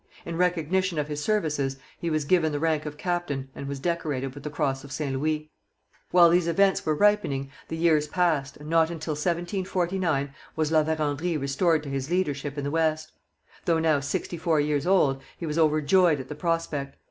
In recognition of his services he was given the rank of captain and was decorated with the Cross of St Louis. While these events were ripening, the years passed, and not until 1749 was La Vérendrye restored to his leadership in the West. Though now sixty four years old, he was overjoyed at the prospect.